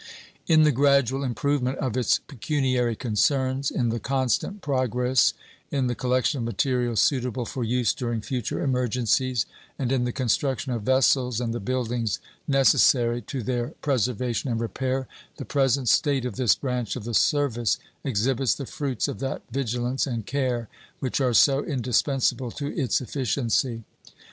In the gradual improvement of its pecuniary concerns, in the constant progress in the collection of materials suitable for use during future emergencies, and in the construction of vessels and the buildings necessary to their preservation and repair, the present state of this branch of the service exhibits the fruits of that vigilance and care which are so indispensable to its efficiency.